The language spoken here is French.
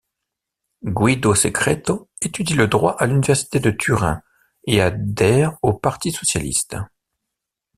Guido Secreto étudie le droit à l'université de Turin et adhère au Parti socialiste.